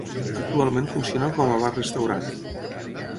Actualment funciona com a bar restaurant.